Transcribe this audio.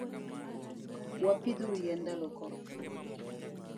Wapidhuru yien ndalo koth.